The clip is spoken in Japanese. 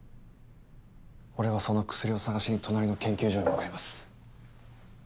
俺はその薬を探しに隣の研究所に向かいます。